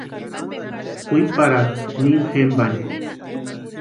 Kwiparhatʼi mimi jempani.